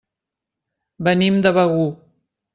Venim de Begur.